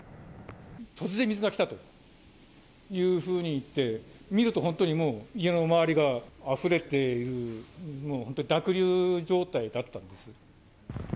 突然水が来たというふうにいって、見ると本当にもう、家の周りがあふれて、もう濁流状態だったんです。